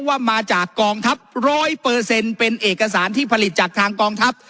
ว่ามาจากกองทัพร้อยเปอร์เซ็นต์เป็นเอกสารที่ผลิตจากทางกองทัพ